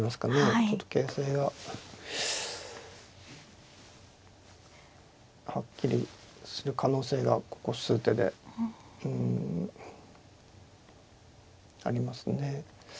ちょっと形勢がはっきりする可能性がここ数手でありますね。